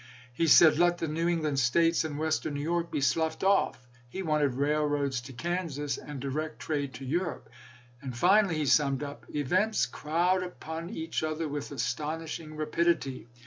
He said, " Let the New England States and western New York be sloughed off." He wanted railroads to Kansas and direct trade to Europe. And finally he summed up :" Events crowd upon each other with astonishing rapidity.